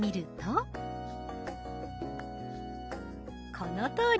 このとおり。